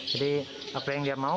jadi apa yang dia mau